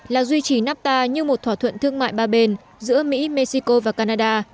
là duy trì nafta như một thỏa thuận thương mại ba bên giữa mỹ mexico và canada